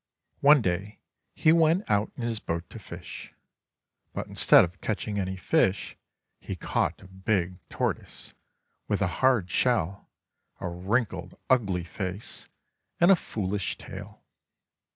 One day he went out in his boat to fish. But instead of catching any fish, he caught a big tortoise, with a hard shell, a wrinkled ugly face, and a foolish tail.